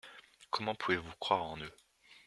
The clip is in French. Comment vous pouvez croire en eux ?